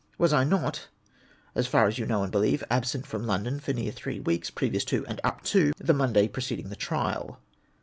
Was I not, as far as you know and believe, absent from London for near three weeks, previous to and up to the Monday preceding the trial